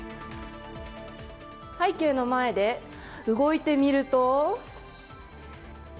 背景の前で動いてみると。